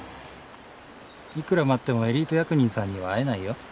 いくら待ってもエリート役人さんには会えないよ。